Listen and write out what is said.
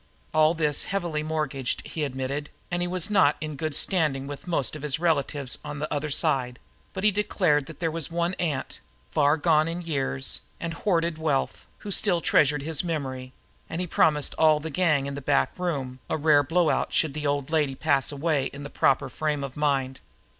All this was heavily mortgaged, he admitted; and he was not in good standing with most of his relatives on the other side; but he declared that there was one aunt, far gone in years and hoarded wealth, who still treasured his memory, and he promised all the gang in the back room a rare blowout should the old lady pass away in the proper frame of mind.